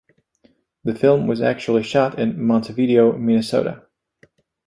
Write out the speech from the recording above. The film was actually shot in Montevideo, Minnesota.